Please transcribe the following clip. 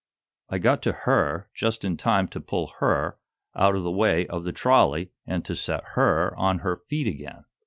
I got to 'her' just in time to pull 'her' out of the way of the trolley and to set 'her' on 'her' feet again.